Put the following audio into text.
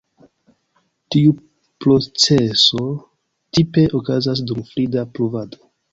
Tiu proceso tipe okazas dum frida pluvado.